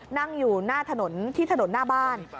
นั่งอยู่ที่ถนนหน้าบ้าน